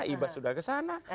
ibas sudah ke sana